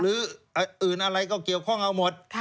หรืออื่นอะไรก็เกี่ยวข้องเอาหมด